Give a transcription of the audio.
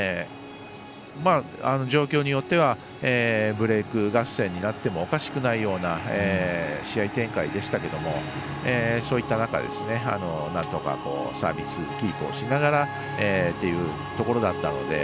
状況によってはブレーク合戦になってもおかしくないような試合展開でしたけどもそういった中でなんとかサービスキープをしながらというところだったので。